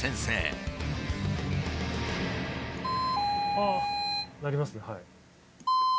あっ鳴りますねはい。